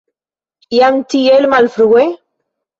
Jam tiel malfrue?